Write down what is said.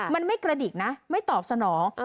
มันไม่กระดิกนะไม่ตอบสนอง